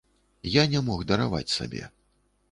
Я не мог дараваць сабе.